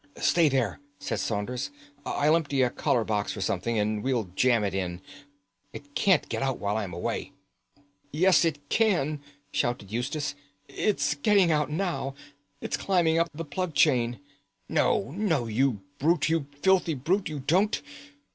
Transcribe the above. "Stay there," said Saunders. "I'll empty a collar box or something, and we'll jam it in. It can't get out while I'm away." "Yes, it can," shouted Eustace. "It's getting out now. It's climbing up the plug chain. No, you brute, you filthy brute, you don't!